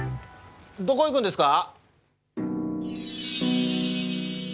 どこ行くんですか？